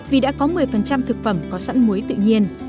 vì đã có một mươi thực phẩm có sẵn muối tự nhiên